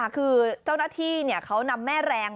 คือเจ้าหน้าที่เขานำแม่แรง